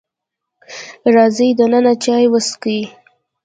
راځئ دننه چای وسکئ.